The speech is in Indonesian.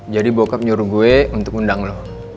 jadi bokap nyuruh gue untuk undang lo